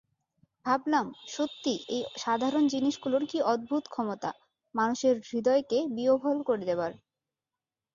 ভাবলাম, সত্যি এই সাধারণ জিনিসগুলোর কী অদ্ভূত ক্ষমতা মানুষের হৃদয়কে বিহবল করে দেবার।